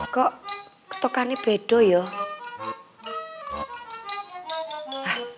kok ketokannya bedo yoh